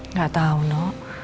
nggak tahu nno